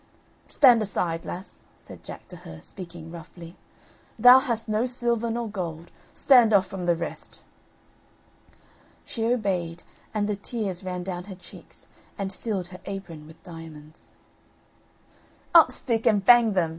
"Stand aside, lass;" said Jack to her, speaking roughly. "Thou hast no silver nor gold stand off from the rest." She obeyed, and the tears ran down her cheeks, and filled her apron with diamonds. "Up stick and bang them!"